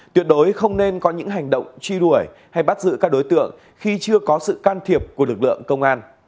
tuyệt đối không nên có những hành động truy đuổi hay bắt giữ các đối tượng khi chưa có sự can thiệp của lực lượng công an